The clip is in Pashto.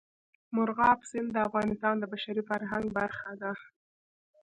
مورغاب سیند د افغانستان د بشري فرهنګ برخه ده.